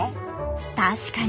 確かに。